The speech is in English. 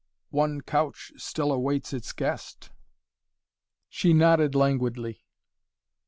"One couch still awaits its guest." She nodded languidly.